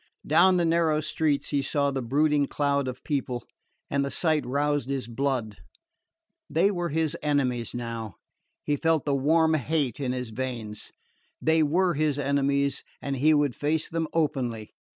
Down the narrow streets he saw the brooding cloud of people, and the sight roused his blood. They were his enemies now he felt the warm hate in his veins. They were his enemies, and he would face them openly.